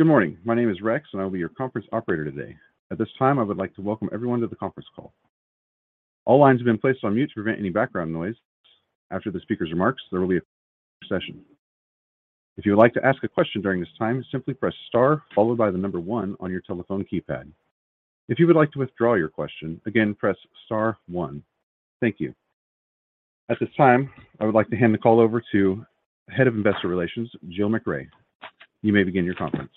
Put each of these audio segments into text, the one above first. Good morning. My name is Rex, and I will be your conference operator today. At this time, I would like to welcome everyone to the conference call. All lines have been placed on mute to prevent any background noise. After the speaker's remarks, there will be a session. If you would like to ask a question during this time, simply press star followed by the number one on your telephone keypad. If you would like to withdraw your question, again, press star one. Thank you. At this time, I would like to hand the call over to Head of Investor Relations, Jill MacRae. You may begin your conference.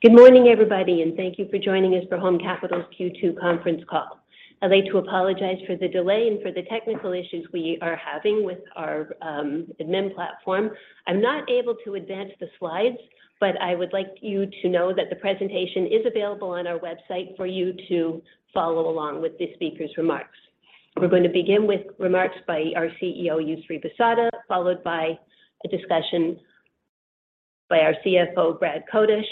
Good morning, everybody, and thank you for joining us for Home Capital's Q2 conference call. I'd like to apologize for the delay and for the technical issues we are having with our admin platform. I'm not able to advance the slides, but I would like you to know that the presentation is available on our website for you to follow along with the speaker's remarks. We're going to begin with remarks by our CEO, Yousry Bissada, followed by a discussion by our CFO, Brad Kotush,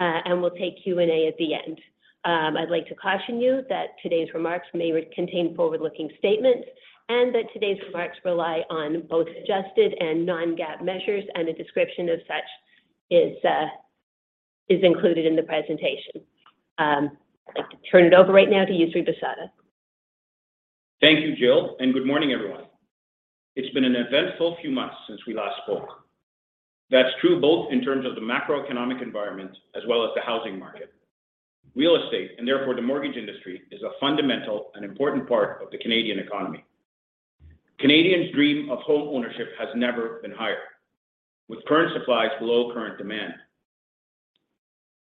and we'll take Q&A at the end. I'd like to caution you that today's remarks may contain forward-looking statements and that today's remarks rely on both adjusted and non-GAAP measures, and a description of such is included in the presentation. I'd like to turn it over right now to Yousry Bissada. Thank you, Jill, and good morning, everyone. It's been an eventful few months since we last spoke. That's true both in terms of the macroeconomic environment as well as the housing market. Real estate, and therefore the mortgage industry, is a fundamental and important part of the Canadian economy. Canadians' dream of home ownership has never been higher, with current supplies below current demand.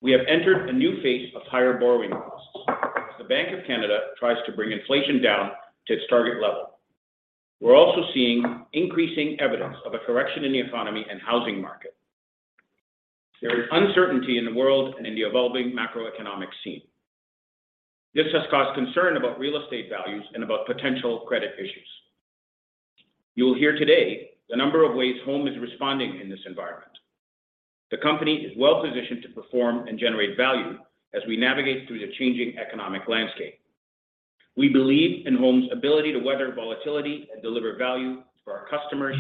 We have entered a new phase of higher borrowing costs as the Bank of Canada tries to bring inflation down to its target level. We're also seeing increasing evidence of a correction in the economy and housing market. There is uncertainty in the world and in the evolving macroeconomic scene. This has caused concern about real estate values and about potential credit issues. You will hear today the number of ways Home is responding in this environment. The company is well-positioned to perform and generate value as we navigate through the changing economic landscape. We believe in Home's ability to weather volatility and deliver value to our customers,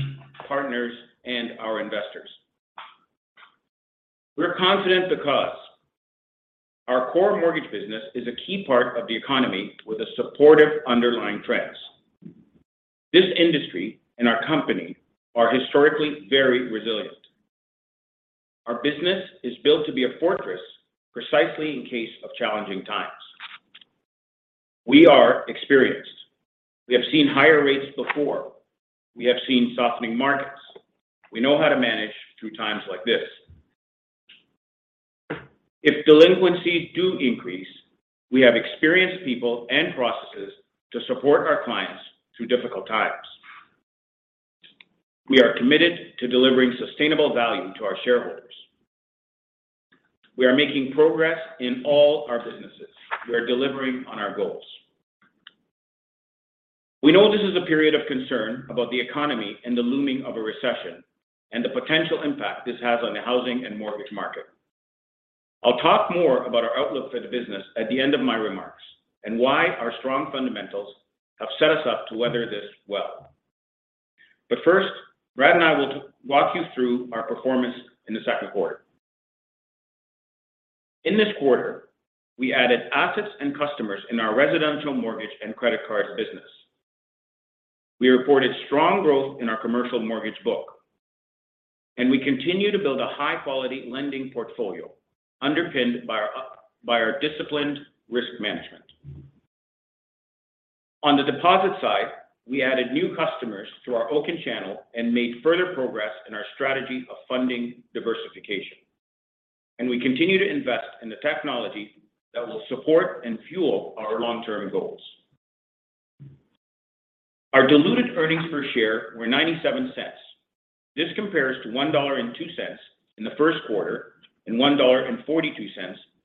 partners, and our investors. We're confident because our core mortgage business is a key part of the economy with a supportive underlying trends. This industry and our company are historically very resilient. Our business is built to be a fortress precisely in case of challenging times. We are experienced. We have seen higher rates before. We have seen softening markets. We know how to manage through times like this. If delinquencies do increase, we have experienced people and processes to support our clients through difficult times. We are committed to delivering sustainable value to our shareholders. We are making progress in all our businesses. We are delivering on our goals. We know this is a period of concern about the economy and the looming of a recession and the potential impact this has on the housing and mortgage market. I'll talk more about our outlook for the business at the end of my remarks and why our strong fundamentals have set us up to weather this well. First, Brad and I will walk you through our performance in the Q2. In this quarter, we added assets and customers in our residential mortgage and credit card business. We reported strong growth in our commercial mortgage book, and we continue to build a high-quality lending portfolio underpinned by our disciplined risk management. On the deposit side, we added new customers through our Oaken channel and made further progress in our strategy of funding diversification. We continue to invest in the technology that will support and fuel our long-term goals. Our diluted earnings per share were 0.97. This compares to 1.02 dollar in the Q1 and 1.42 dollar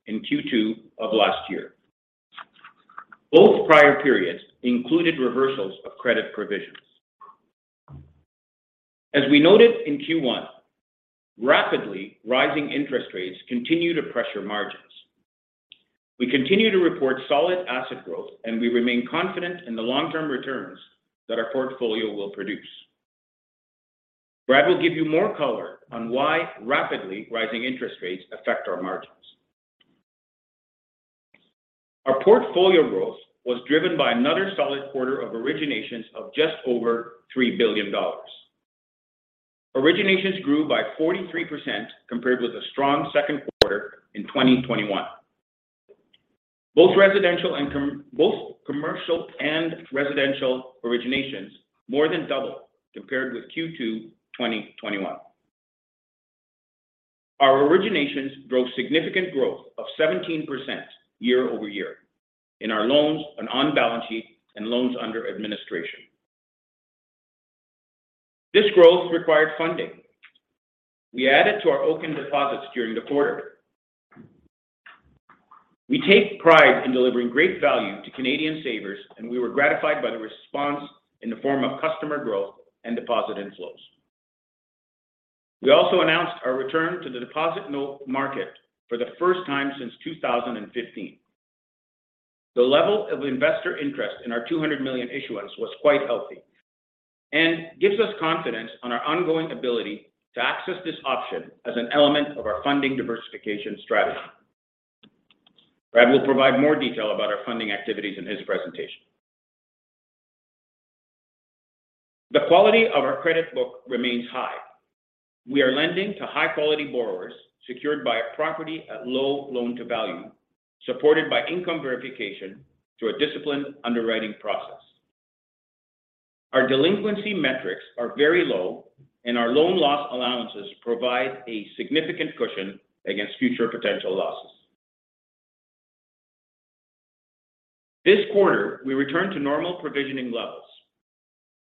in Q2 of last year. Both prior periods included reversals of credit provisions. As we noted in Q1, rapidly rising interest rates continue to pressure margins. We continue to report solid asset growth, and we remain confident in the long-term returns that our portfolio will produce. Brad will give you more color on why rapidly rising interest rates affect our margins. Our portfolio growth was driven by another solid quarter of originations of just over 3 billion dollars. Originations grew by 43% compared with a strong Q2 in 2021. Both commercial and residential originations more than doubled compared with Q2 2021. Our originations drove significant growth of 17% year-over-year in our loans on balance sheet and loans under administration. This growth required funding. We added to our Oaken deposits during the quarter. We take pride in delivering great value to Canadian savers, and we were gratified by the response in the form of customer growth and deposit inflows. We also announced our return to the deposit note market for the first time since 2015. The level of investor interest in our 200 million issuance was quite healthy and gives us confidence on our ongoing ability to access this option as an element of our funding diversification strategy. Brad will provide more detail about our funding activities in his presentation. The quality of our credit book remains high. We are lending to high quality borrowers secured by a property at low loan to value, supported by income verification through a disciplined underwriting process. Our delinquency metrics are very low and our loan loss allowances provide a significant cushion against future potential losses. This quarter, we return to normal provisioning levels,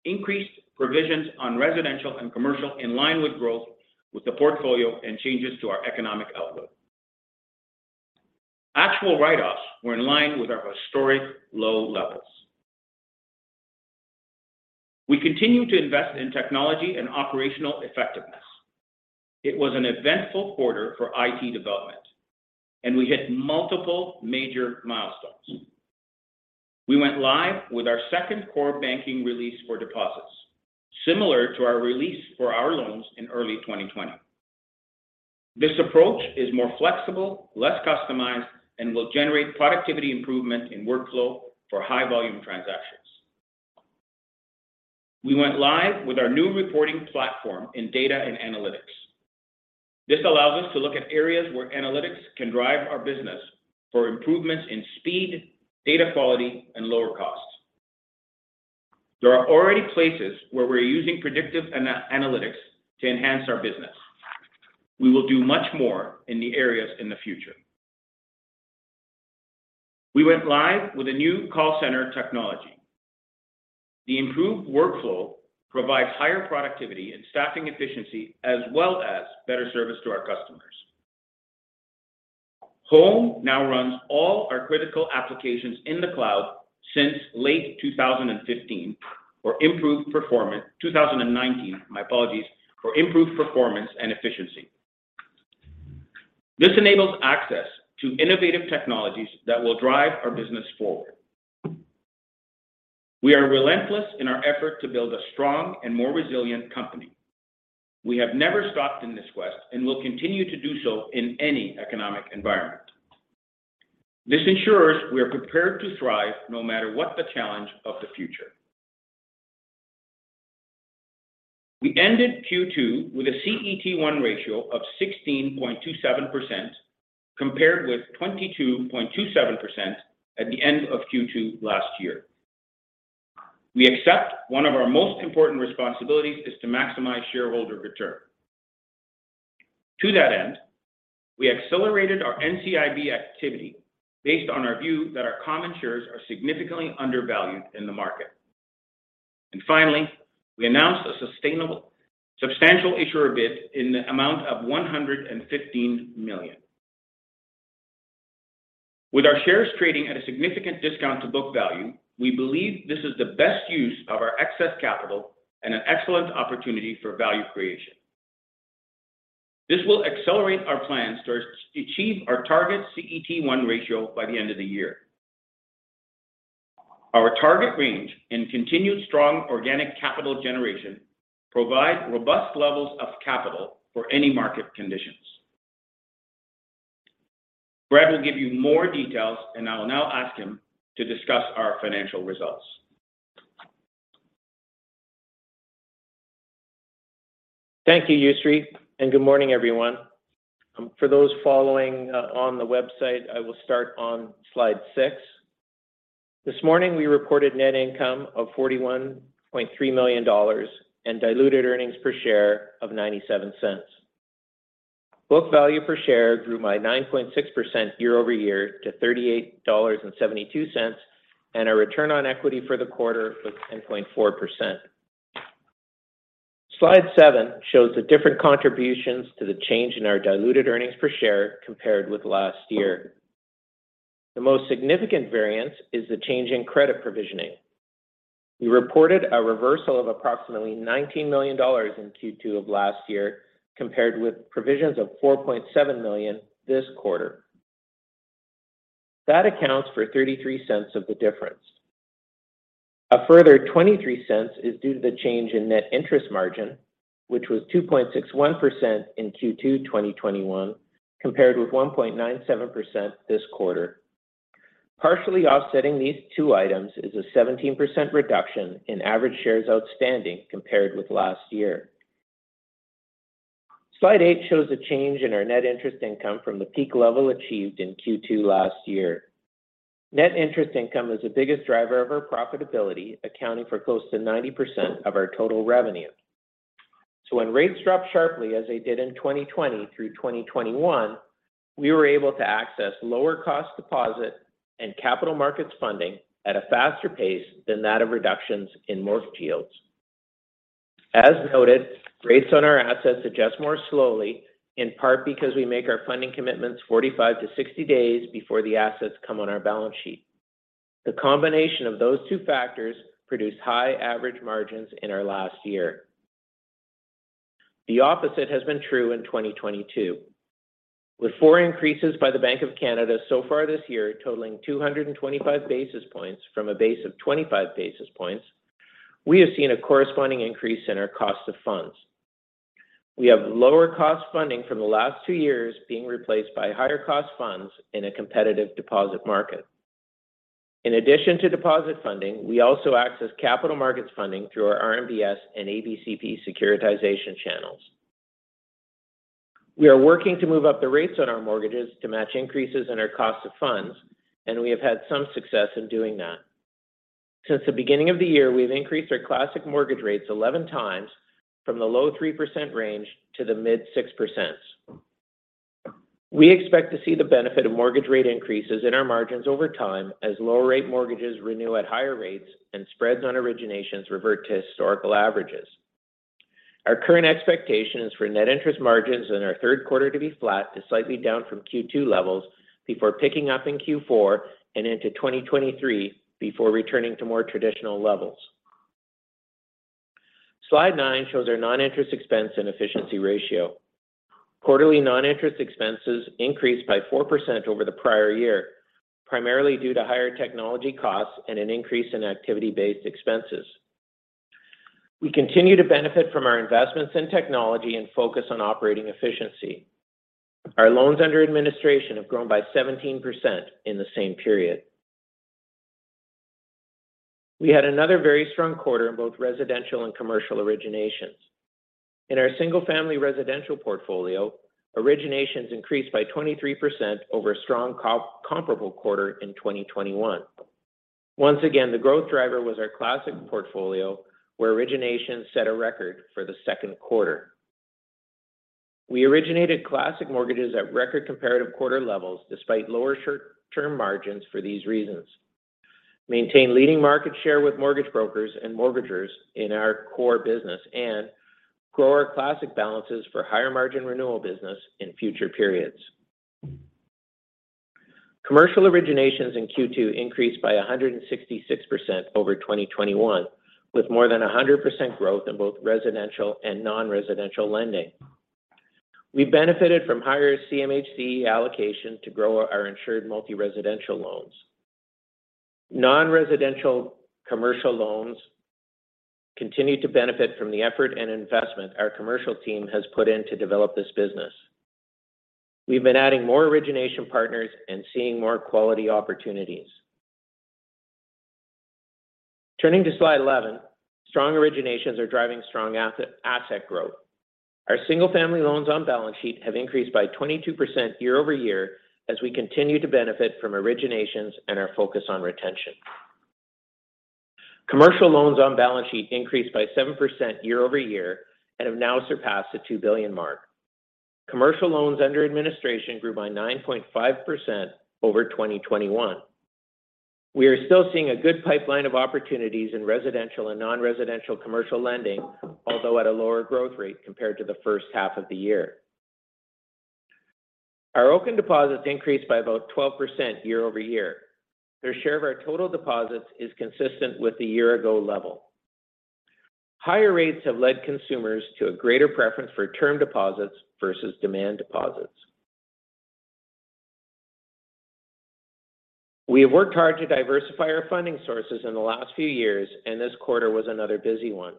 increased provisions on residential and commercial in line with growth with the portfolio and changes to our economic outlook. Actual write-offs were in line with our historic low levels. We continue to invest in technology and operational effectiveness. It was an eventful quarter for IT development, and we hit multiple major milestones. We went live with our second core banking release for deposits, similar to our release for our loans in early 2020. This approach is more flexible, less customized, and will generate productivity improvement in workflow for high volume transactions. We went live with our new reporting platform in data and analytics. This allows us to look at areas where analytics can drive our business for improvements in speed, data quality, and lower costs. There are already places where we're using predictive analytics to enhance our business. We will do much more in the areas in the future. We went live with a new call center technology. The improved workflow provides higher productivity and staffing efficiency as well as better service to our customers. Home now runs all our critical applications in the cloud since late 2019, my apologies, for improved performance and efficiency. This enables access to innovative technologies that will drive our business forward. We are relentless in our effort to build a strong and more resilient company. We have never stopped in this quest and will continue to do so in any economic environment. This ensures we are prepared to thrive no matter what the challenge of the future. We ended Q2 with a CET1 ratio of 16.27% compared with 22.27% at the end of Q2 last year. We accept one of our most important responsibilities is to maximize shareholder return. To that end, we accelerated our NCIB activity based on our view that our common shares are significantly undervalued in the market. Finally, we announced a substantial issuer bid in the amount of 115 million. With our shares trading at a significant discount to book value, we believe this is the best use of our excess capital and an excellent opportunity for value creation. This will accelerate our plans to achieve our target CET1 ratio by the end of the year. Our target range and continued strong organic capital generation provide robust levels of capital for any market conditions. Brad will give you more details, and I will now ask him to discuss our financial results. Thank you, Yousry, and good morning, everyone. For those following on the website, I will start on slide six. This morning, we reported net income of 41.3 million dollars and diluted earnings per share of 0.97. Book value per share grew by 9.6% year-over-year to 38.72 dollars, and our return on equity for the quarter was 10.4%. Slide seven shows the different contributions to the change in our diluted earnings per share compared with last year. The most significant variance is the change in credit provisioning. We reported a reversal of approximately 19 million dollars in Q2 of last year, compared with provisions of 4.7 million this quarter. That accounts for 0.33 of the difference. A further 0.23 is due to the change in net interest margin, which was 2.61% in Q2 2021, compared with 1.97% this quarter. Partially offsetting these two items is a 17% reduction in average shares outstanding compared with last year. Slide eight shows a change in our net interest income from the peak level achieved in Q2 last year. Net interest income is the biggest driver of our profitability, accounting for close to 90% of our total revenue. When rates dropped sharply as they did in 2020 through 2021, we were able to access lower cost deposit and capital markets funding at a faster pace than that of reductions in mortgage yields. As noted, rates on our assets adjust more slowly, in part because we make our funding commitments 45-60 days before the assets come on our balance sheet. The combination of those two factors produce high average margins in our last year. The opposite has been true in 2022. With four increases by the Bank of Canada so far this year totaling 225 basis points from a base of 25 basis points, we have seen a corresponding increase in our cost of funds. We have lower cost funding from the last two years being replaced by higher cost funds in a competitive deposit market. In addition to deposit funding, we also access capital markets funding through our RMBS and ABCP securitization channels. We are working to move up the rates on our mortgages to match increases in our cost of funds, and we have had some success in doing that. Since the beginning of the year, we've increased our classic mortgage rates 11x from the low 3% range to the mid 6%. We expect to see the benefit of mortgage rate increases in our margins over time as lower rate mortgages renew at higher rates and spreads on originations revert to historical averages. Our current expectation is for net interest margins in our Q3 to be flat to slightly down from Q2 levels before picking up in Q4 and into 2023 before returning to more traditional levels. Slide nine shows our non-interest expense and efficiency ratio. Quarterly non-interest expenses increased by 4% over the prior year, primarily due to higher technology costs and an increase in activity-based expenses. We continue to benefit from our investments in technology and focus on operating efficiency. Our loans under administration have grown by 17% in the same period. We had another very strong quarter in both residential and commercial originations. In our single-family residential portfolio, originations increased by 23% over a strong comparable quarter in 2021. Once again, the growth driver was our classic portfolio, where originations set a record for the Q2. We originated classic mortgages at record comparative quarter levels despite lower short-term margins for these reasons. Maintain leading market share with mortgage brokers and mortgagors in our core business and grow our classic balances for higher margin renewal business in future periods. Commercial originations in Q2 increased by 166% over 2021, with more than 100% growth in both residential and non-residential lending. We benefited from higher CMHC allocation to grow our insured multi-residential loans. Non-residential commercial loans continue to benefit from the effort and investment our commercial team has put in to develop this business. We've been adding more origination partners and seeing more quality opportunities. Turning to slide 11, strong originations are driving strong asset growth. Our single-family loans on balance sheet have increased by 22% year-over-year as we continue to benefit from originations and our focus on retention. Commercial loans on balance sheet increased by 7% year-over-year and have now surpassed the 2 billion mark. Commercial loans under administration grew by 9.5% over 2021. We are still seeing a good pipeline of opportunities in residential and non-residential commercial lending, although at a lower growth rate compared to the first half of the year. Our open deposits increased by about 12% year-over-year. Their share of our total deposits is consistent with the year-ago level. Higher rates have led consumers to a greater preference for term deposits versus demand deposits. We have worked hard to diversify our funding sources in the last few years, and this quarter was another busy one.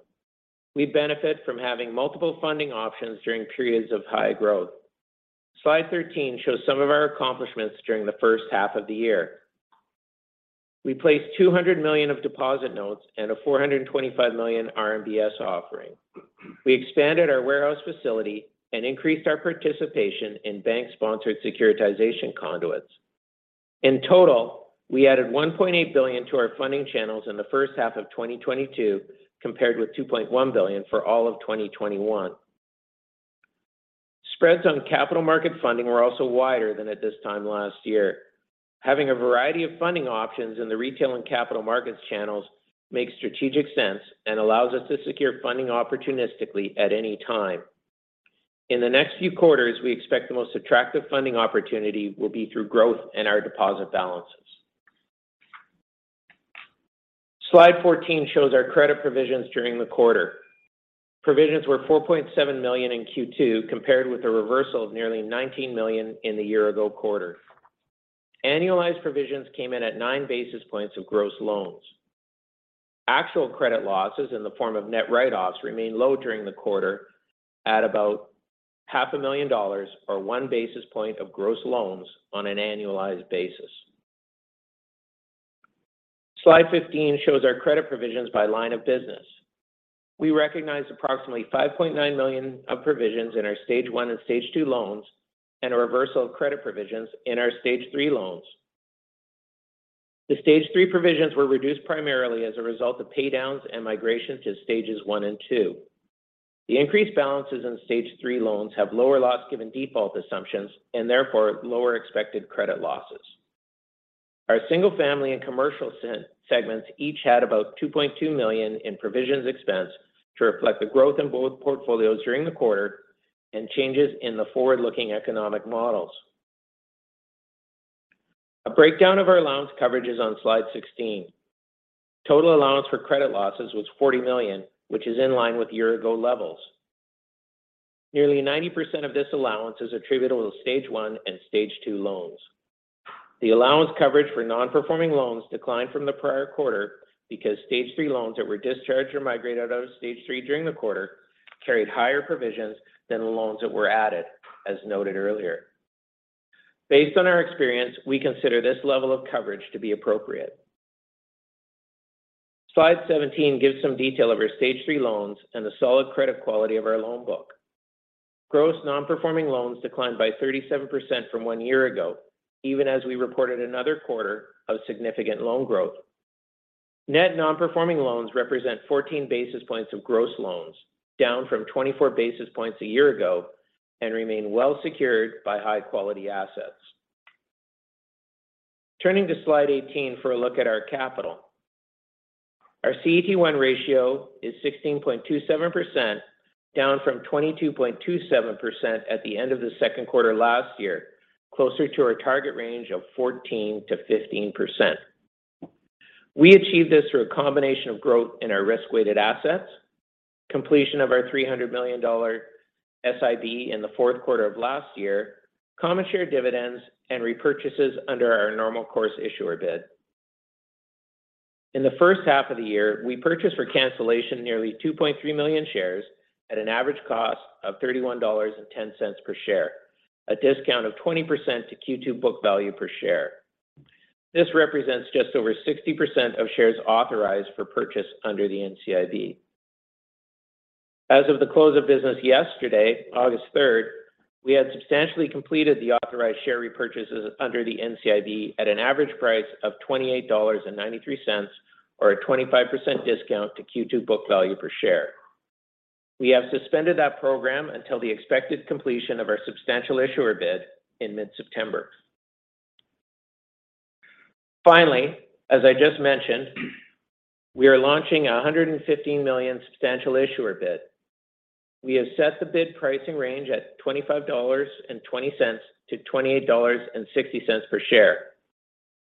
We benefit from having multiple funding options during periods of high growth. Slide 13 shows some of our accomplishments during the first half of the year. We placed 200 million of deposit notes and a 425 million RMBS offering. We expanded our warehouse facility and increased our participation in bank-sponsored securitization conduits. In total, we added 1.8 billion to our funding channels in the first half of 2022, compared with 2.1 billion for all of 2021. Spreads on capital market funding were also wider than at this time last year. Having a variety of funding options in the retail and capital markets channels makes strategic sense and allows us to secure funding opportunistically at any time. In the next few quarters, we expect the most attractive funding opportunity will be through growth in our deposit balances. Slide 14 shows our credit provisions during the quarter. Provisions were 4.7 million in Q2, compared with a reversal of nearly 19 million in the year-ago quarter. Annualized provisions came in at nine basis points of gross loans. Actual credit losses in the form of net write-offs remained low during the quarter at about CAD half a million dollars or one basis point of gross loans on an annualized basis. Slide 15 shows our credit provisions by line of business. We recognized approximately 5.9 million of provisions in our Stage One and Stage Two loans and a reversal of credit provisions in our Stage Three loans. The Stage Three provisions were reduced primarily as a result of paydowns and migrations to Stages One and Two. The increased balances in Stage Three loans have lower Loss Given Default assumptions and therefore lower expected credit losses. Our single family and commercial segments each had about 2.2 million in provisions expense to reflect the growth in both portfolios during the quarter and changes in the forward-looking economic models. A breakdown of our allowance coverage is on slide 16. Total allowance for credit losses was 40 million, which is in line with year-ago levels. Nearly 90% of this allowance is attributable to Stage One and Stage Two loans. The allowance coverage for non-performing loans declined from the prior quarter because Stage Three loans that were discharged or migrated out of Stage Three during the quarter carried higher provisions than the loans that were added, as noted earlier. Based on our experience, we consider this level of coverage to be appropriate. Slide 17 gives some detail of our Stage Three loans and the solid credit quality of our loan book. Gross non-performing loans declined by 37% from one year ago, even as we reported another quarter of significant loan growth. Net non-performing loans represent 14 basis points of gross loans, down from 24 basis points a year ago and remain well secured by high-quality assets. Turning to slide 18 for a look at our capital. Our CET1 ratio is 16.27%, down from 22.27% at the end of the Q2 last year, closer to our target range of 14%-15%. We achieved this through a combination of growth in our risk-weighted assets, completion of our 300 million dollar SIB in the Q4 of last year, common share dividends, and repurchases under our normal course issuer bid. In the first half of the year, we purchased for cancellation nearly 2.3 million shares at an average cost of 31.10 dollars per share, a discount of 20% to Q2 book value per share. This represents just over 60% of shares authorized for purchase under the NCIB. As of the close of business yesterday, August third, we had substantially completed the authorized share repurchases under the NCIB at an average price of 28.93 dollars, or a 25% discount to Q2 book value per share. We have suspended that program until the expected completion of our substantial issuer bid in mid-September. Finally, as I just mentioned, we are launching a 115 million substantial issuer bid. We have set the bid pricing range at 25.20-28.60 dollars per share.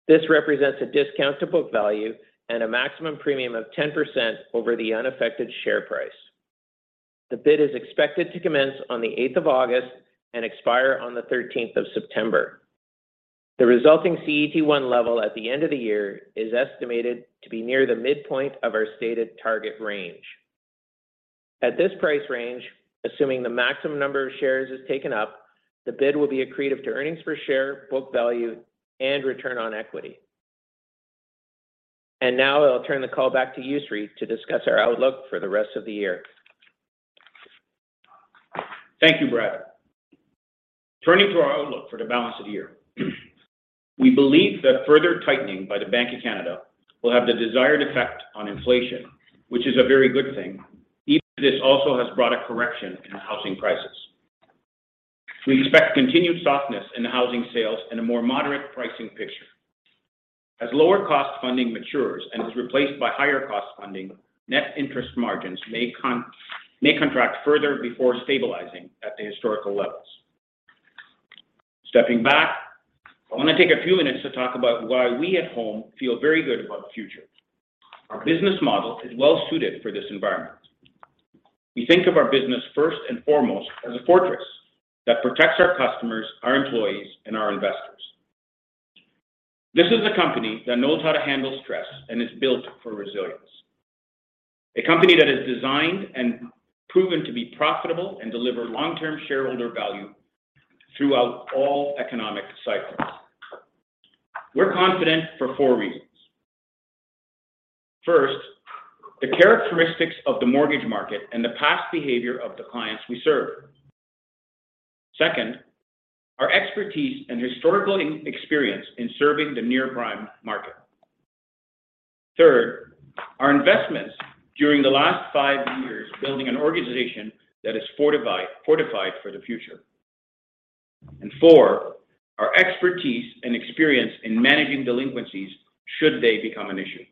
This represents a discount to book value and a maximum premium of 10% over the unaffected share price. The bid is expected to commence on the August 18 and expire on the September 13. The resulting CET1 level at the end of the year is estimated to be near the midpoint of our stated target range. At this price range, assuming the maximum number of shares is taken up, the bid will be accretive to earnings per share, book value, and return on equity. Now I'll turn the call back to you, Yousry Bissada, to discuss our outlook for the rest of the year. Thank you, Brad. Turning to our outlook for the balance of the year. We believe that further tightening by the Bank of Canada will have the desired effect on inflation, which is a very good thing, even if this also has brought a correction in housing prices. We expect continued softness in housing sales and a more moderate pricing picture. As lower cost funding matures and is replaced by higher cost funding, net interest margins may contract further before stabilizing at the historical levels. Stepping back, I want to take a few minutes to talk about why we at Home feel very good about the future. Our business model is well suited for this environment. We think of our business first and foremost as a fortress that protects our customers, our employees, and our investors. This is a company that knows how to handle stress and is built for resilience. A company that is designed and proven to be profitable and deliver long-term shareholder value throughout all economic cycles. We're confident for four reasons. First, the characteristics of the mortgage market and the past behavior of the clients we serve. Second, our expertise and historical experience in serving the near-prime market. Third, our investments during the last five years building an organization that is fortified for the future. Four, our expertise and experience in managing delinquencies should they become an issue.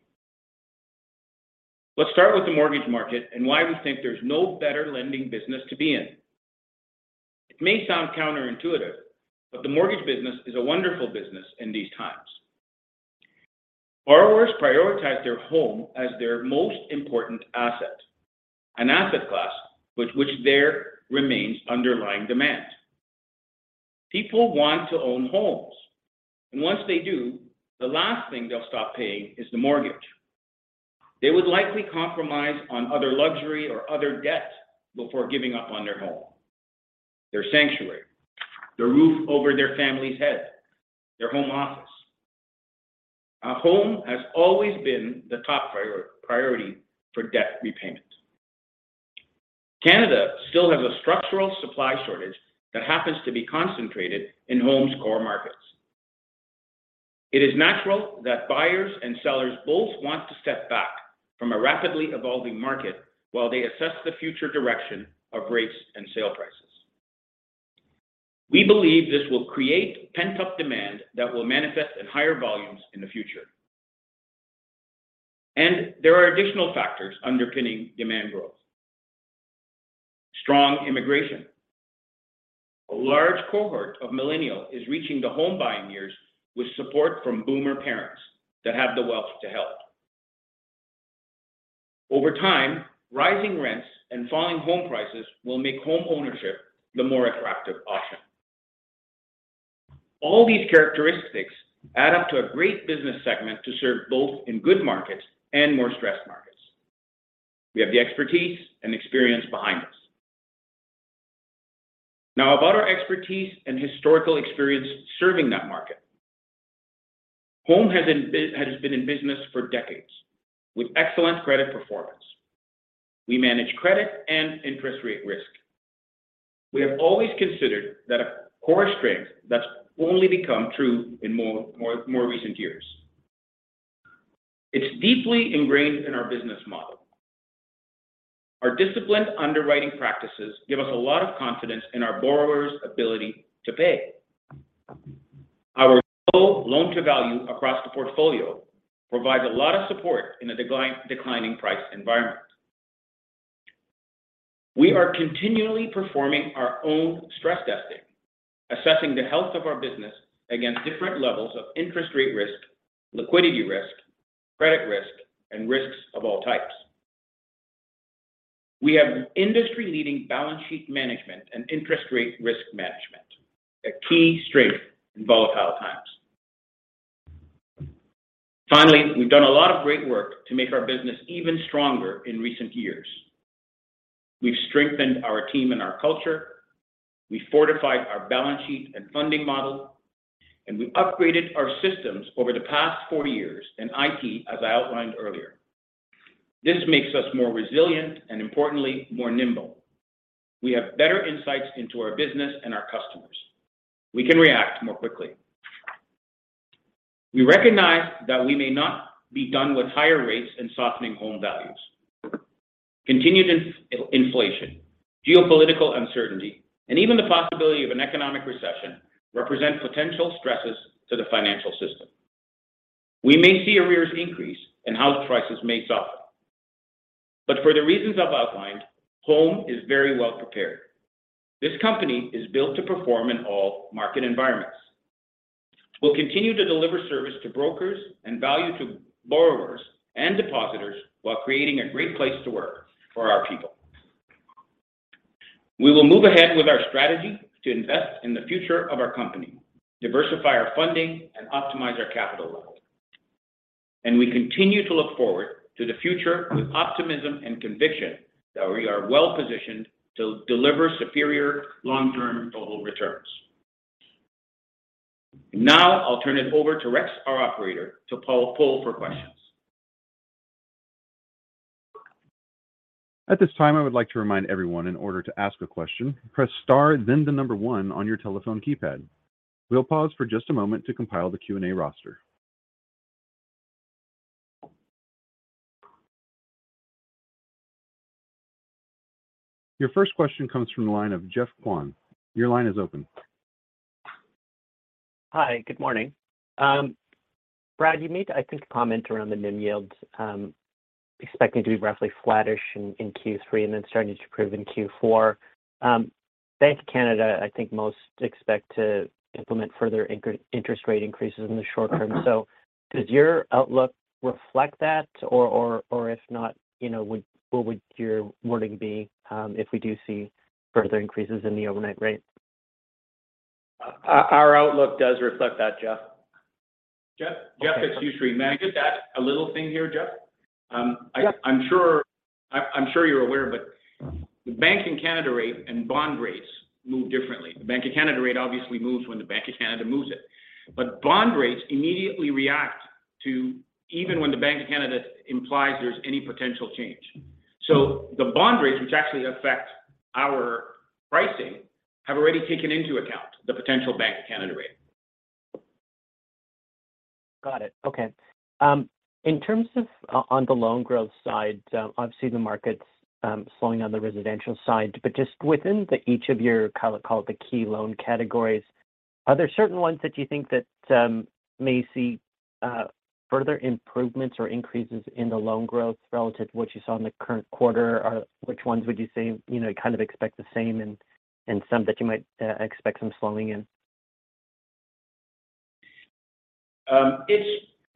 Let's start with the mortgage market and why we think there's no better lending business to be in. It may sound counterintuitive, but the mortgage business is a wonderful business in these times. Borrowers prioritize their home as their most important asset, an asset class with which there remains underlying demand. People want to own homes, and once they do, the last thing they'll stop paying is the mortgage. They would likely compromise on other luxury or other debt before giving up on their home, their sanctuary, the roof over their family's head, their home office. A home has always been the top priority for debt repayment. Canada still has a structural supply shortage that happens to be concentrated in Home's core markets. It is natural that buyers and sellers both want to step back from a rapidly evolving market while they assess the future direction of rates and sale prices. We believe this will create pent-up demand that will manifest in higher volumes in the future. There are additional factors underpinning demand growth. Strong immigration. A large cohort of millennials is reaching the home buying years with support from Boomer parents that have the wealth to help. Over time, rising rents and falling home prices will make homeownership the more attractive option. All these characteristics add up to a great business segment to serve both in good markets and more stressed markets. We have the expertise and experience behind us. Now about our expertise and historical experience serving that market. Home has been in business for decades with excellent credit performance. We manage credit and interest rate risk. We have always considered that a core strength that's only become true in more recent years. It's deeply ingrained in our business model. Our disciplined underwriting practices give us a lot of confidence in our borrowers' ability to pay. Our low loan-to-value across the portfolio provides a lot of support in a declining price environment. We are continually performing our own stress testing, assessing the health of our business against different levels of interest rate risk, liquidity risk, credit risk, and risks of all types. We have industry-leading balance sheet management and interest rate risk management, a key strength in volatile times. Finally, we've done a lot of great work to make our business even stronger in recent years. We've strengthened our team and our culture. We fortified our balance sheet and funding model, and we've upgraded our systems over the past four years in IT, as I outlined earlier. This makes us more resilient and, importantly, more nimble. We have better insights into our business and our customers. We can react more quickly. We recognize that we may not be done with higher rates and softening home values. Continued inflation, geopolitical uncertainty, and even the possibility of an economic recession represent potential stresses to the financial system. We may see arrears increase, and house prices may suffer. For the reasons I've outlined, Home is very well prepared. This company is built to perform in all market environments. We'll continue to deliver service to brokers and value to borrowers and depositors while creating a great place to work for our people. We will move ahead with our strategy to invest in the future of our company, diversify our funding, and optimize our capital level. We continue to look forward to the future with optimism and conviction that we are well-positioned to deliver superior long-term total returns. Now I'll turn it over to Rex, our operator, to poll for questions. At this time, I would like to remind everyone in order to ask a question, press star, then the number one on your telephone keypad. We'll pause for just a moment to compile the Q&A roster. Your first question comes from the line of Geoffrey Kwan. Your line is open. Hi. Good morning. Brad Kotush, you made, I think, a comment around the NIM yields, expecting to be roughly flattish in Q3 and then starting to improve in Q4. Bank of Canada, I think most expect to implement further interest rate increases in the short term. Does your outlook reflect that? Or if not, you know, what would your wording be, if we do see further increases in the overnight rate? Our outlook does reflect that, Jeff. Jeff, it's Yousry Bissada. May I get at a little thing here, Jeff? Yeah. I'm sure you're aware, but the Bank of Canada rate and bond rates move differently. The Bank of Canada rate obviously moves when the Bank of Canada moves it. Bond rates immediately react even when the Bank of Canada implies there's any potential change. The bond rates, which actually affect our pricing, have already taken into account the potential Bank of Canada rate. Got it. Okay. In terms of on the loan growth side, obviously the market's slowing on the residential side. But just within each of your call it the key loan categories, are there certain ones that you think that may see further improvements or increases in the loan growth relative to what you saw in the current quarter? Or which ones would you say, you know, kind of expect the same and some that you might expect some slowing in?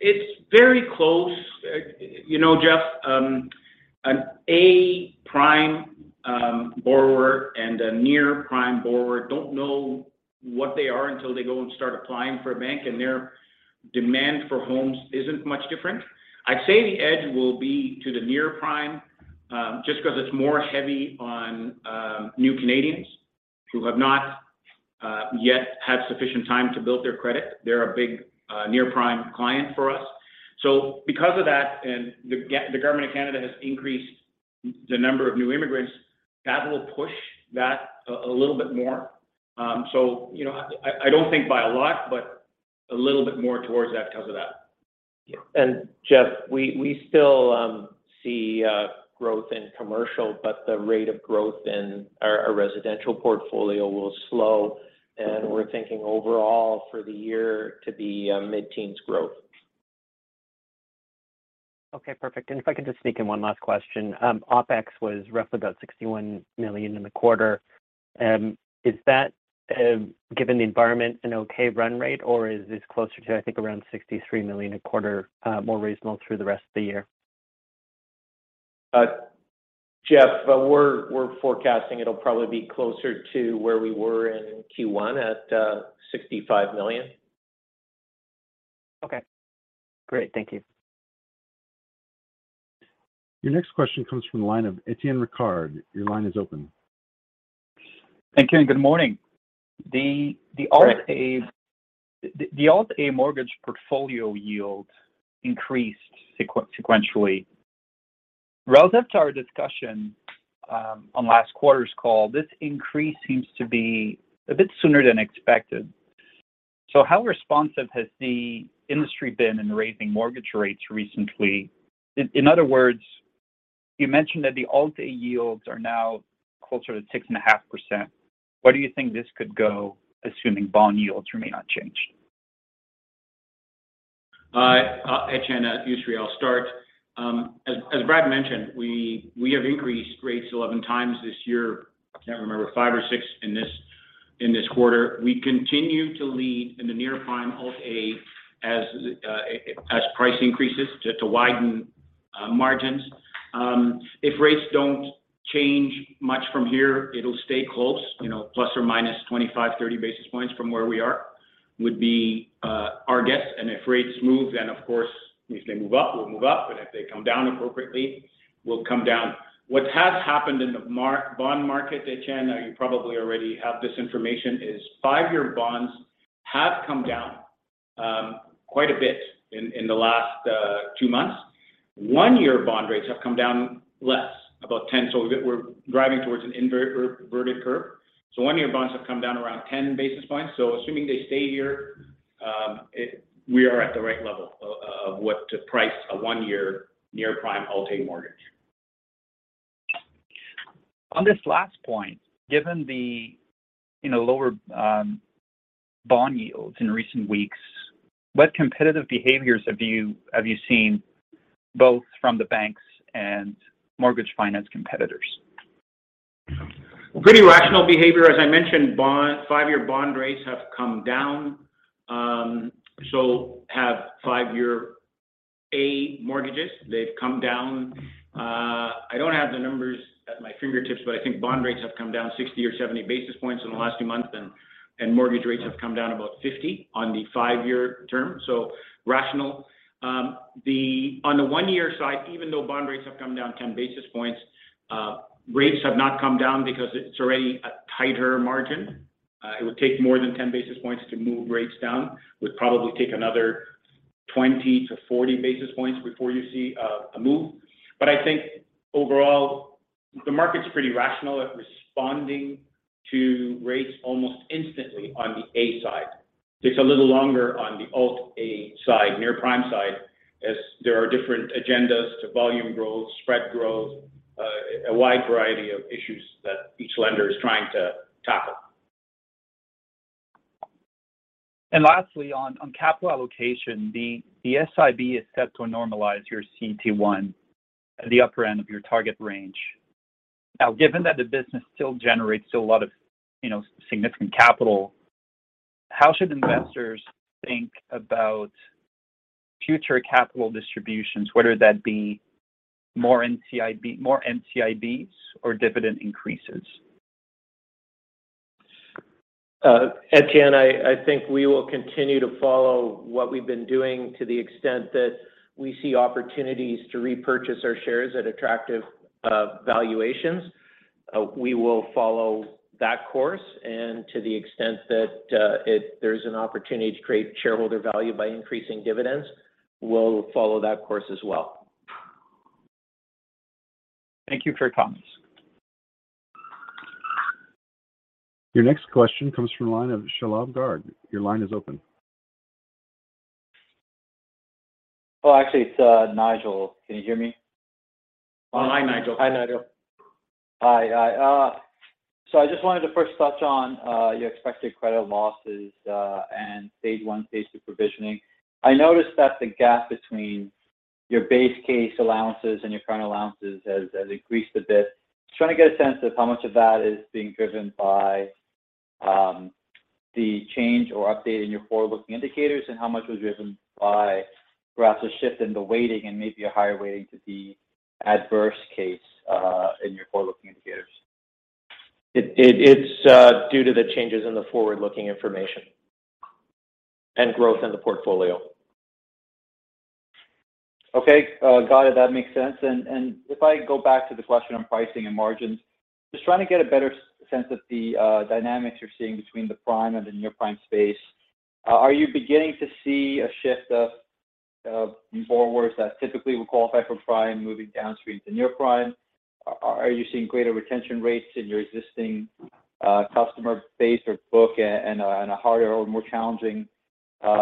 It's very close. You know, Jeff, an A prime borrower and a near-prime borrower don't know what they are until they go and start applying for a bank, and their demand for homes isn't much different. I'd say the edge will be to the near-prime, just because it's more heavy on new Canadians who have not yet had sufficient time to build their credit. They're a big near-prime client for us. Because of that, the government of Canada has increased the number of new immigrants, that will push that a little bit more. You know, I don't think by a lot, but a little bit more towards that because of that. Jeff, we still see growth in commercial, but the rate of growth in our residential portfolio will slow. We're thinking overall for the year to be mid-teens growth. Okay, perfect. If I could just sneak in one last question. OpEx was roughly about 61 million in the quarter. Is that, given the environment, an okay run rate, or is this closer to, I think, around 63 million a quarter more reasonable through the rest of the year? Jeff, we're forecasting it'll probably be closer to where we were in Q1 at 65 million. Okay. Great. Thank you. Your next question comes from the line of Étienne Ricard. Your line is open. Thank you, and good morning. Great. The Alt-A mortgage portfolio yield increased sequentially. Relative to our discussion on last quarter's call, this increase seems to be a bit sooner than expected. How responsive has the industry been in raising mortgage rates recently? In other words, you mentioned that the Alt-A yields are now closer to 6.5%. Where do you think this could go, assuming bond yields remain unchanged? Étienne, Yousry, I'll start. As Brad mentioned, we have increased rates 11x this year. I can't remember, five or six in this quarter. We continue to lead in the near-prime Alt-A as price increases to widen margins. If rates don't change much from here, it'll stay close. You know, + or - 25, 30 basis points from where we are would be our guess. If rates move, then of course, if they move up, we'll move up. But if they come down appropriately, we'll come down. What has happened in the bond market, Étienne, now you probably already have this information, is five-year bonds have come down quite a bit in the last two months. One-year bond rates have come down less, about 10. We're driving towards an inverted curve. One-year bonds have come down around 10 basis points. Assuming they stay here, we are at the right level of what to price a one-year near-prime Alt-A mortgage. On this last point, given the you know lower bond yields in recent weeks, what competitive behaviors have you seen both from the banks and mortgage finance competitors? Pretty rational behavior. As I mentioned, bond five-year bond rates have come down. So have five-year A mortgages. They've come down. I don't have the numbers at my fingertips, but I think bond rates have come down 60 or 70 basis points in the last few months, and mortgage rates have come down about 50 on the five-year term. Rational. On the one-year side, even though bond rates have come down 10 basis points, rates have not come down because it's already a tighter margin. It would take more than 10 basis points to move rates down. Would probably take another 20-40 basis points before you see a move. I think overall, the market's pretty rational at responding to rates almost instantly on the A side. Takes a little longer on the Alt-A side, near-prime side, as there are different agendas to volume growth, spread growth, a wide variety of issues that each lender is trying to tackle. Lastly, on capital allocation, the SIB is set to normalize your CET1 at the upper end of your target range. Now, given that the business still generates a lot of, you know, significant capital, how should investors think about future capital distributions, whether that be more NCIBs or dividend increases? Étienne, I think we will continue to follow what we've been doing to the extent that we see opportunities to repurchase our shares at attractive valuations. We will follow that course, and to the extent that there's an opportunity to create shareholder value by increasing dividends, we'll follow that course as well. Thank you for your comments. Your next question comes from the line of Shalabh Garg. Your line is open. Well, actually, it's Nigel. Can you hear me? Oh, hi, Nigel. Hi, Nigel. Hi. I just wanted to first touch on your expected credit losses and phase I, phase II provisioning. I noticed that the gap between your base case allowances and your current allowances has increased a bit. Just trying to get a sense of how much of that is being driven by the change or update in your forward-looking indicators and how much was driven by perhaps a shift in the weighting and maybe a higher weighting to the adverse case in your forward-looking indicators. It's due to the changes in the forward-looking information and growth in the portfolio. Okay. Got it. That makes sense. If I go back to the question on pricing and margins, just trying to get a better sense of the dynamics you're seeing between the prime and the near-prime space. Are you beginning to see a shift of borrowers that typically would qualify for prime moving downstream to near-prime? Are you seeing greater retention rates in your existing customer base or book and a harder or more challenging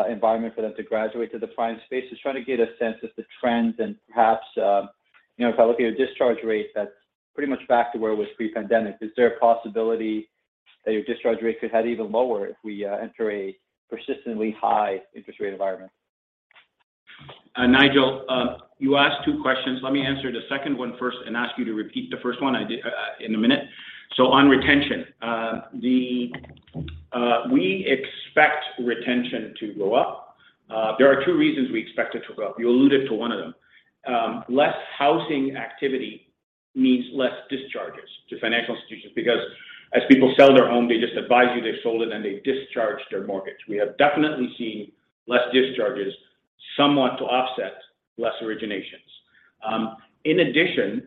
environment for them to graduate to the prime space. Just trying to get a sense of the trends and perhaps, you know, if I look at your discharge rate, that's pretty much back to where it was pre-pandemic. Is there a possibility that your discharge rate could head even lower if we enter a persistently high interest rate environment? Nigel, you asked two questions. Let me answer the second one first and ask you to repeat the first one I did in a minute. On retention, we expect retention to go up. There are two reasons we expect it to go up. You alluded to one of them. Less housing activity means less discharges to financial institutions because as people sell their home, they just advise you they've sold it, and they discharge their mortgage. We have definitely seen less discharges, somewhat to offset less originations. In addition,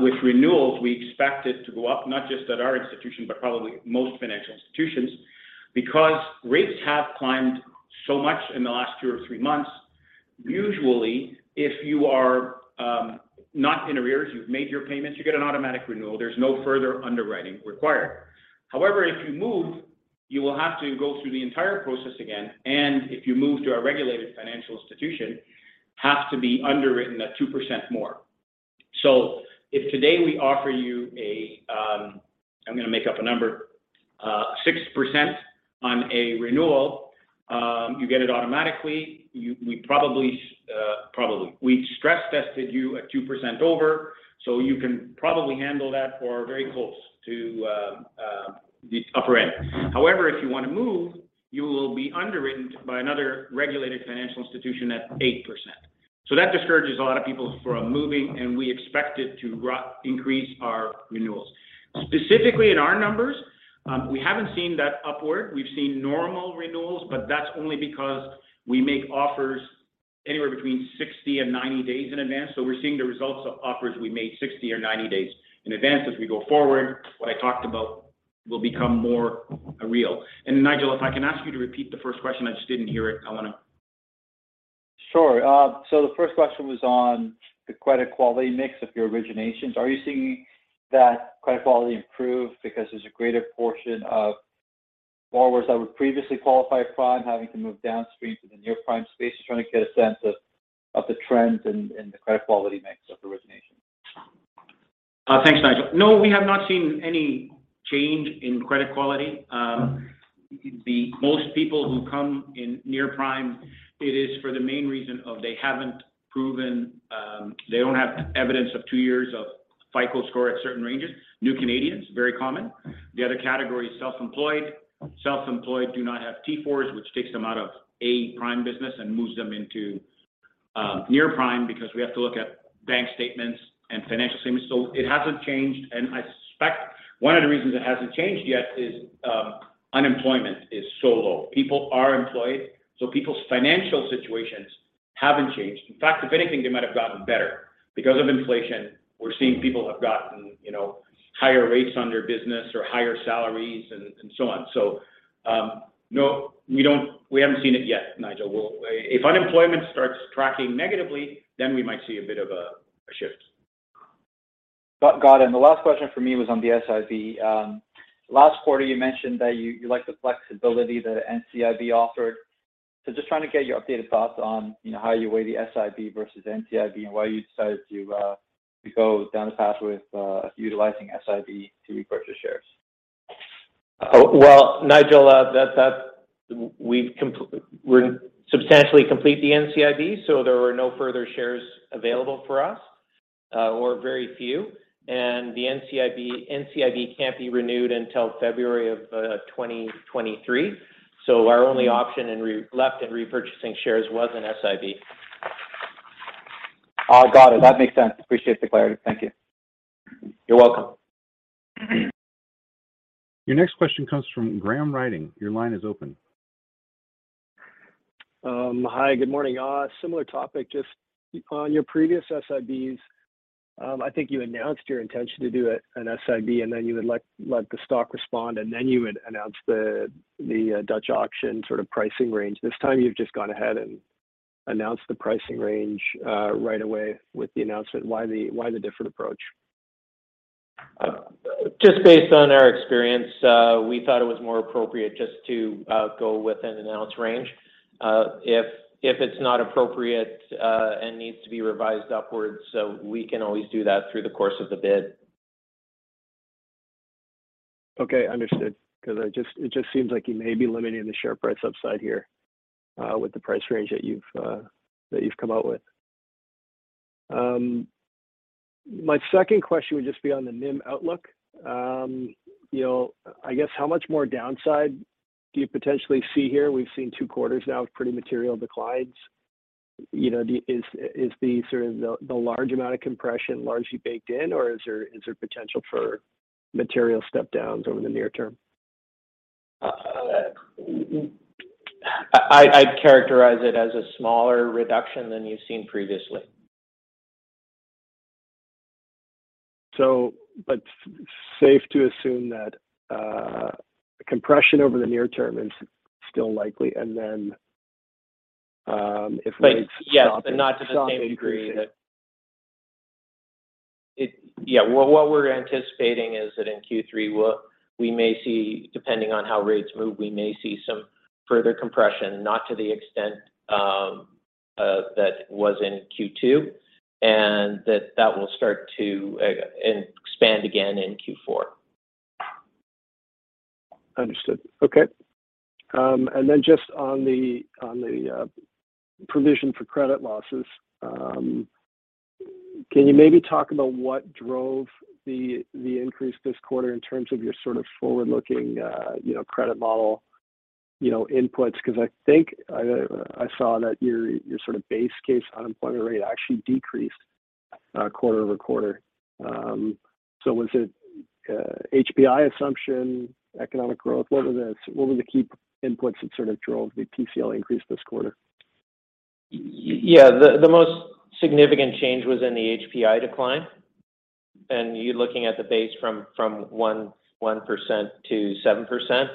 with renewals, we expect it to go up not just at our institution, but probably most financial institutions. Because rates have climbed so much in the last two or three months, usually, if you are not in arrears, you've made your payments, you get an automatic renewal. There's no further underwriting required. However, if you move, you will have to go through the entire process again, and if you move to a regulated financial institution, have to be underwritten at 2% more. If today we offer you a, I'm gonna make up a number, 6% on a renewal, you get it automatically. We stress-tested you at 2% over, so you can probably handle that or very close to the upper end. However, if you wanna move, you will be underwritten by another regulated financial institution at 8%. That discourages a lot of people from moving, and we expect it to increase our renewals. Specifically in our numbers, we haven't seen that upward. We've seen normal renewals, but that's only because we make offers anywhere between 60 and 90 days in advance. We're seeing the results of offers we made 60 or 90 days in advance. As we go forward, what I talked about will become more real. Nigel, if I can ask you to repeat the first question, I just didn't hear it. I wanna. Sure. So the first question was on the credit quality mix of your originations. Are you seeing that credit quality improve because there's a greater portion of borrowers that would previously qualify prime having to move downstream to the near-prime space? Just trying to get a sense of the trends and the credit quality mix of the origination. Thanks, Nigel. No, we have not seen any change in credit quality. The most people who come in near prime, it is for the main reason of they haven't proven, they don't have evidence of two years of FICO score at certain ranges. New Canadians, very common. The other category is self-employed. Self-employed do not have T4s, which takes them out of A prime business and moves them into, near prime because we have to look at bank statements and financial statements. It hasn't changed, and I suspect one of the reasons it hasn't changed yet is, unemployment is so low. People are employed, so people's financial situations haven't changed. In fact, if anything, they might have gotten better. Because of inflation, we're seeing people have gotten, you know, higher rates on their business or higher salaries and so on. No, we don't, we haven't seen it yet, Nigel. If unemployment starts tracking negatively, then we might see a bit of a shift. Got it. The last question from me was on the SIB. Last quarter, you mentioned that you liked the flexibility that NCIB offered. Just trying to get your updated thoughts on, you know, how you weigh the SIB versus NCIB and why you decided to go down the path with utilizing SIB to repurchase shares. Well, Nigel, that's. We're substantially complete the NCIB, so there were no further shares available for us, or very few. The NCIB can't be renewed until February of 2023. Our only option left in repurchasing shares was an SIB. Oh, got it. That makes sense. Appreciate the clarity. Thank you. You're welcome. Your next question comes from Graham Ryding. Your line is open. Hi. Good morning. Similar topic. Just on your previous SIBs, I think you announced your intention to do an SIB, and then you would let the stock respond, and then you would announce the Dutch auction sort of pricing range. This time, you've just gone ahead and announced the pricing range right away with the announcement. Why the different approach? Just based on our experience, we thought it was more appropriate just to go with an announced range. If it's not appropriate and needs to be revised upwards, so we can always do that through the course of the bid. Okay. Understood. 'Cause it just seems like you may be limiting the share price upside here, with the price range that you've come out with. My second question would just be on the NIM outlook. You know, I guess how much more downside do you potentially see here? We've seen two quarters now of pretty material declines. You know, is the sort of the large amount of compression largely baked in, or is there potential for material step-downs over the near term? I'd characterize it as a smaller reduction than you've seen previously. Safe to assume that compression over the near term is still likely, and then, if rates Yes. Stop increasing, then. Yeah. Well, what we're anticipating is that in Q3, we may see some further compression, depending on how rates move, not to the extent that was in Q2, and that will start to expand again in Q4. Understood. Okay. Just on the provision for credit losses, can you maybe talk about what drove the increase this quarter in terms of your sort of forward-looking, you know, credit model, you know, inputs? Because I think I saw that your sort of base case unemployment rate actually decreased QoQ. Was it HPI assumption, economic growth? What were the key inputs that sort of drove the PCL increase this quarter? Yeah. The most significant change was in the HPI decline. You're looking at the base from 1%-7%,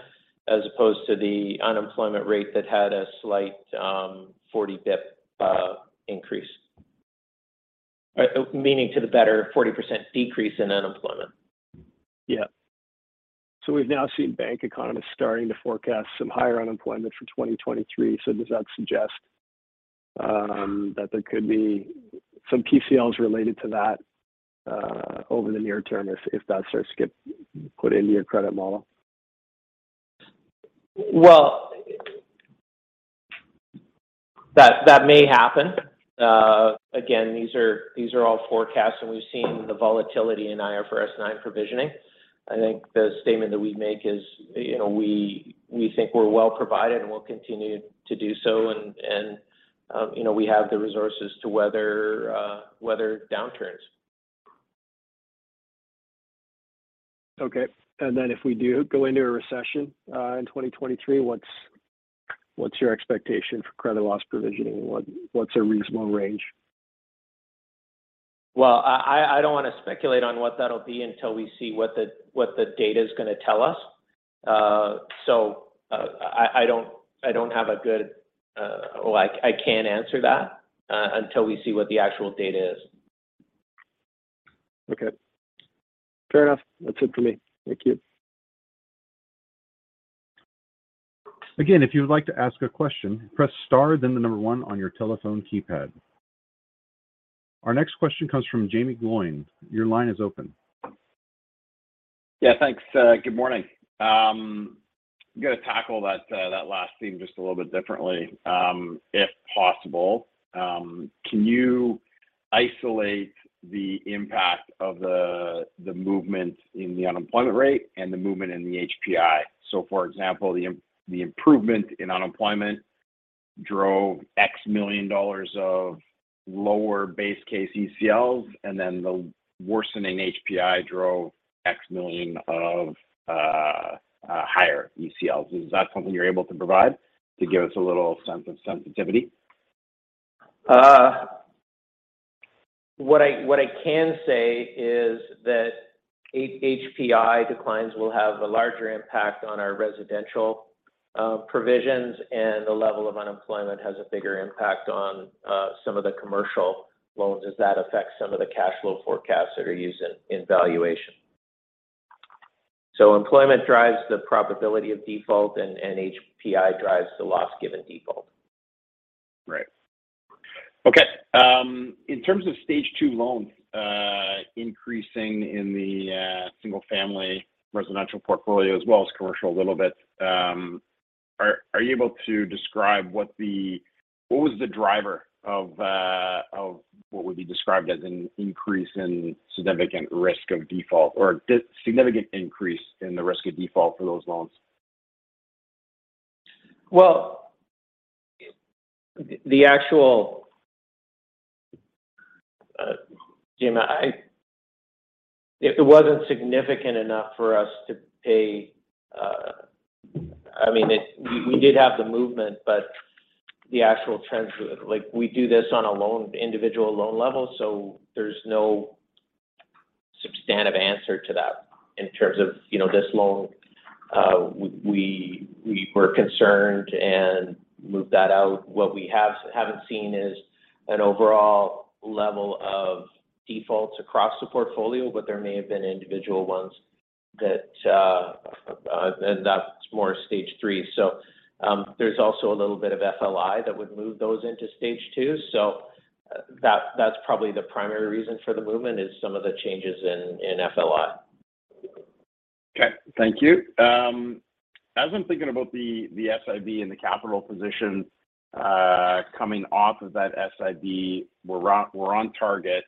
as opposed to the unemployment rate that had a slight 40 basis points increase. Meaning to the better, 40% decrease in unemployment. Yeah. We've now seen bank economists starting to forecast some higher unemployment for 2023. Does that suggest that there could be some PCLs related to that over the near term if that starts to get put into your credit model? Well, that may happen. Again, these are all forecasts, and we've seen the volatility in IFRS 9 provisioning. I think the statement that we make is, you know, we think we're well provided, and we'll continue to do so. You know, we have the resources to weather downturns. Okay. If we do go into a recession in 2023, what's your expectation for credit loss provisioning? What's a reasonable range? Well, I don't wanna speculate on what that'll be until we see what the data is gonna tell us. Well, I can't answer that until we see what the actual data is. Okay. Fair enough. That's it for me. Thank you. Again, if you would like to ask a question, press star then the number one on your telephone keypad. Our next question comes from Jaeme Gloyn. Your line is open. Yeah, thanks. Good morning. I'm gonna tackle that last theme just a little bit differently, if possible. Can you isolate the impact of the movement in the unemployment rate and the movement in the HPI? So for example, the improvement in unemployment drove CAD X million of lower base case ECLs, and then the worsening HPI drove CAD X million of higher ECLs. Is that something you're able to provide to give us a little sense of sensitivity? What I can say is that HPI declines will have a larger impact on our residential provisions, and the level of unemployment has a bigger impact on some of the commercial loans as that affects some of the cash flow forecasts that are used in valuation. Employment drives the probability of default, and HPI drives the loss given default. Right. Okay. In terms of Stage Two loans, increasing in the single-family residential portfolio as well as commercial a little bit, are you able to describe what was the driver of what would be described as an increase in significant risk of default or a significant increase in the risk of default for those loans? Jaeme, if it wasn't significant enough for us to pay, we did have the movement, but the actual trends, like we do this on a loan, individual loan level, so there's no substantive answer to that in terms of, you know, this loan. We were concerned and moved that out. What we haven't seen is an overall level of defaults across the portfolio, but there may have been individual ones and that's more Stage Three. There's also a little bit of FLI that would move those into Stage Two. That, that's probably the primary reason for the movement, is some of the changes in FLI. Okay. Thank you. As I'm thinking about the SIB and the capital position, coming off of that SIB, we're on target.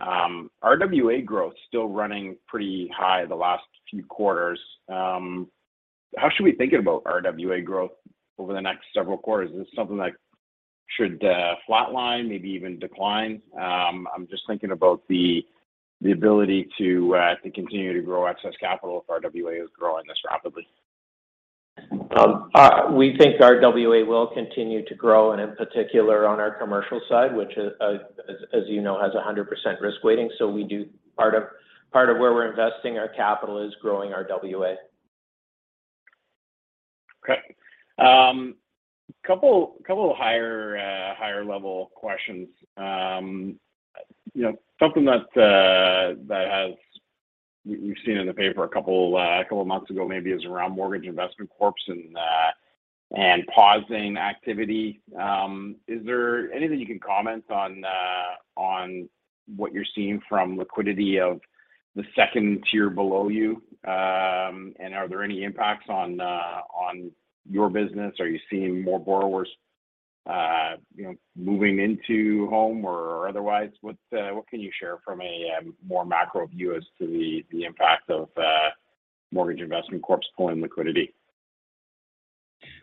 RWA growth still running pretty high the last few quarters. How should we think about RWA growth over the next several quarters? Is this something that should flatline, maybe even decline? I'm just thinking about the ability to continue to grow excess capital if RWA is growing this rapidly. We think RWA will continue to grow, and in particular on our commercial side, which, as you know, has 100% risk weighting. Part of where we're investing our capital is growing RWA. Okay. Couple of higher-level questions. You know, something that we've seen in the paper a couple of months ago maybe is around mortgage investment corps and pausing activity. Is there anything you can comment on what you're seeing from liquidity of the T2 below you? Are there any impacts on your business? Are you seeing more borrowers, you know, moving into Home or otherwise? What can you share from a more macro view as to the impact of mortgage investment corps pulling liquidity?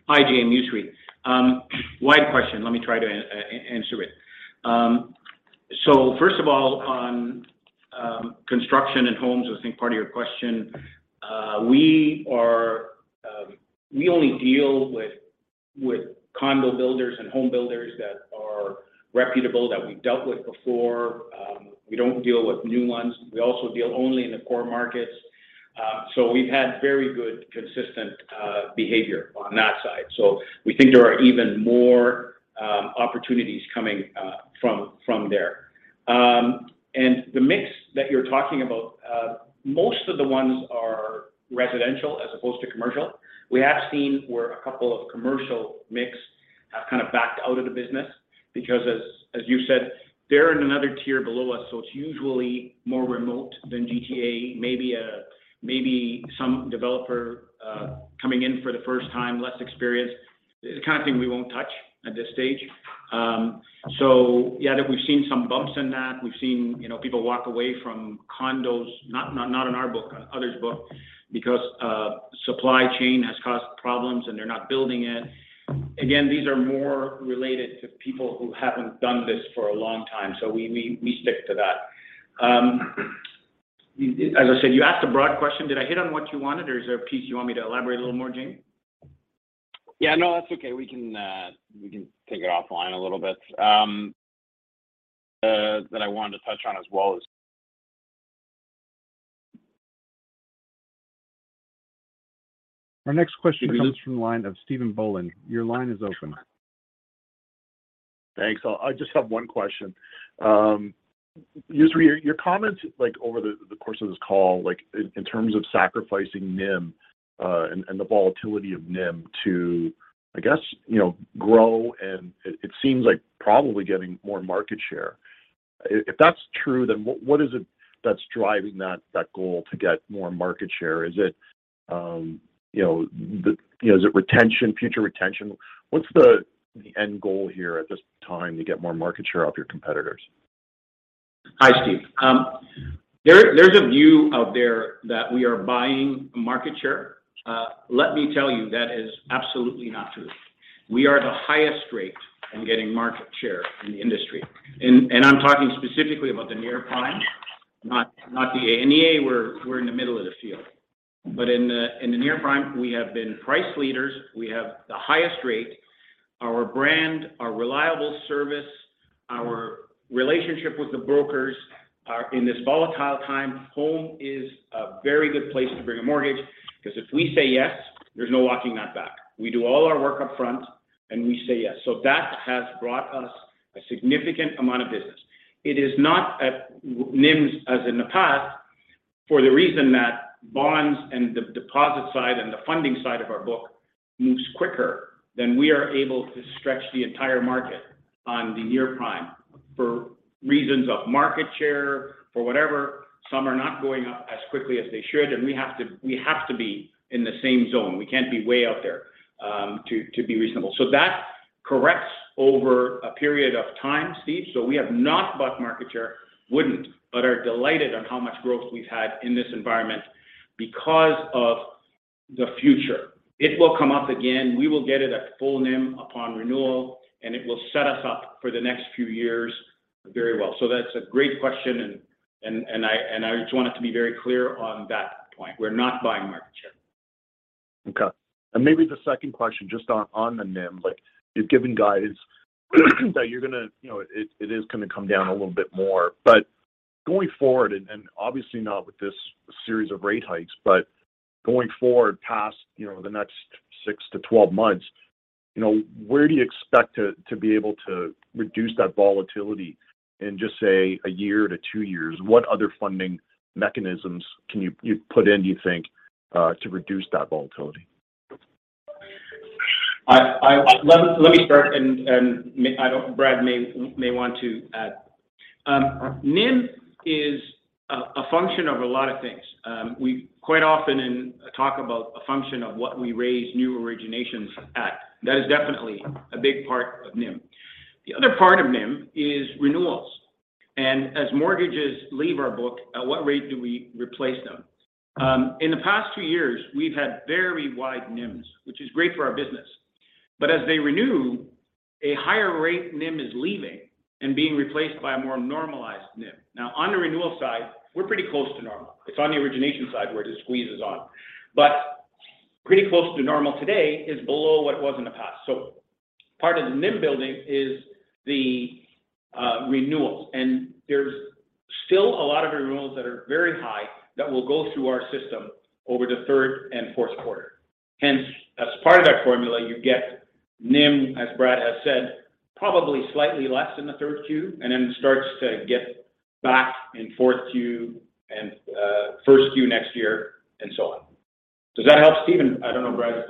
Hi, Jaeme. Yousry. A wide question. Let me try to answer it. First of all, on construction and homes, I think part of your question, we only deal with condo builders and home builders that are reputable, that we've dealt with before. We don't deal with new ones. We also deal only in the core markets. We've had very good, consistent behavior on that side. We think there are even more opportunities coming from there. The mix that you're talking about, most of the ones are residential as opposed to commercial. We have seen where a couple of commercial mix have kind of backed out of the business because, as you said, they're in another tier below us, so it's usually more remote than GTA. Maybe some developer coming in for the first time, less experienced. It's the kind of thing we won't touch at this stage. Yeah, we've seen some bumps in that. We've seen, you know, people walk away from condos, not in our book, on others' book because supply chain has caused problems, and they're not building it. Again, these are more related to people who haven't done this for a long time. We stick to that. As I said, you asked a broad question. Did I hit on what you wanted or is there a piece you want me to elaborate a little more, Jaeme? Yeah. No, that's okay. We can take it offline a little bit. That I wanted to touch on as well is. Our next question comes from the line of Stephen Boland. Your line is open. Thanks. I just have one question. Yousry, your comments like over the course of this call, like in terms of sacrificing NIM, and the volatility of NIM to, I guess, you know, grow, and it seems like probably getting more market share. If that's true, then what is it that's driving that goal to get more market share? Is it, you know, you know, is it retention, future retention? What's the end goal here at this time to get more market share off your competitors? Hi, Steve. There's a view out there that we are buying market share. Let me tell you, that is absolutely not true. We are the highest rated in getting market share in the industry. I'm talking specifically about the near-prime, not the Alt-A, we're in the middle of the field. In the near-prime, we have been price leaders. We have the highest rate. Our brand, our reliable service, our relationship with the brokers are in this volatile time. Home is a very good place to bring a mortgage because if we say yes, there's no walking that back. We do all our work up front, and we say yes. That has brought us a significant amount of business. It is not at NIMs as in the past for the reason that bonds and the deposit side and the funding side of our book moves quicker than we are able to stretch the entire market on the near-prime. For reasons of market share, for whatever, some are not going up as quickly as they should, and we have to be in the same zone. We can't be way out there, to be reasonable. That corrects over a period of time, Stephen. We have not bought market share, wouldn't, but are delighted on how much growth we've had in this environment because of the future. It will come up again. We will get it at full NIM upon renewal, and it will set us up for the next few years very well. That's a great question, and I just want it to be very clear on that point. We're not buying market share. Okay. Maybe the second question just on the NIM, like you've given guidance that you're gonna, you know, it is gonna come down a little bit more. But going forward, and obviously not with this series of rate hikes, but going forward past, you know, the next six to 12 months, you know, where do you expect to be able to reduce that volatility in just say a year to two years? What other funding mechanisms can you put in, do you think, to reduce that volatility? Let me start and Brad may want to add. NIM is a function of a lot of things. We quite often talk about a function of what we raise new originations at. That is definitely a big part of NIM. The other part of NIM is renewals. As mortgages leave our book, at what rate do we replace them? In the past two years, we've had very wide NIMs, which is great for our business. As they renew, a higher rate NIM is leaving and being replaced by a more normalized NIM. Now, on the renewal side, we're pretty close to normal. It's on the origination side where the squeeze is on. Pretty close to normal today is below what it was in the past. Part of the NIM building is the renewals. There's still a lot of renewals that are very high that will go through our system over the Q3 and Q4. Hence, as part of that formula, you get NIM, as Brad has said, probably slightly less in the third Q, and then starts to get back in Q4 and Q1 next year and so on. Does that help, Stephen? I don't know, Brad, if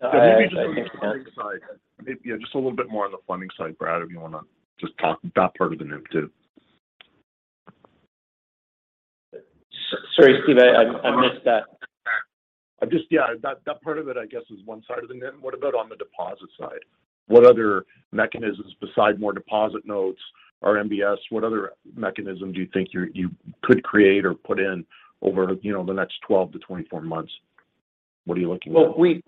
there's. Maybe just on the funding side. Maybe, yeah, just a little bit more on the funding side, Brad, if you wanna just talk that part of the NIM too. Sorry, Stephen, I missed that. Yeah, that part of it, I guess, is one side of the NIM. What about on the deposit side? What other mechanisms besides more deposit notes or MBS, what other mechanism do you think you could create or put in over, you know, the next 12-24 months? What are you looking at? We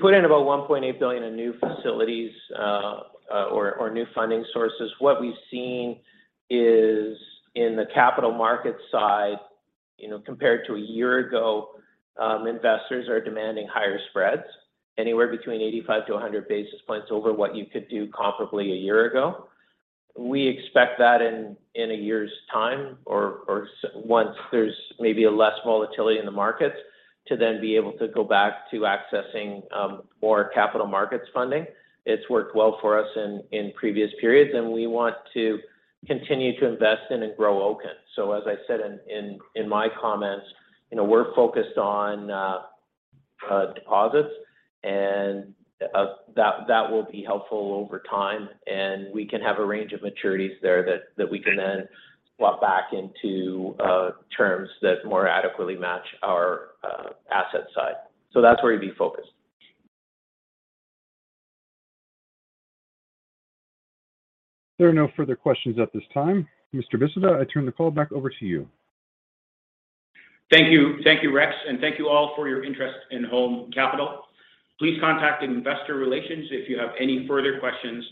put in about 1.8 billion in new facilities or new funding sources. What we've seen is in the capital markets side, you know, compared to a year ago, investors are demanding higher spreads anywhere between 85-100 basis points over what you could do comparably a year ago. We expect that in a year's time or once there's maybe less volatility in the markets to then be able to go back to accessing more capital markets funding. It's worked well for us in previous periods, and we want to continue to invest in and grow Oaken. As I said in my comments, you know, we're focused on deposits and that will be helpful over time. We can have a range of maturities there that we can then swap back into terms that more adequately match our asset side. That's where we'd be focused. There are no further questions at this time. Mr. Bissada, I turn the call back over to you. Thank you. Thank you, Rex, and thank you all for your interest in Home Capital. Please contact Investor Relations if you have any further questions.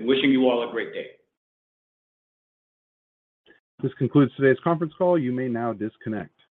Wishing you all a great day. This concludes today's conference call. You may now disconnect.